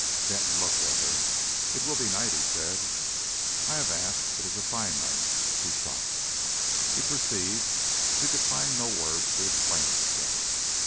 Denton looked at her. "It will be night," he said. "I have asked, it is a fine night." She stopped. He perceived she could find no words to explain herself.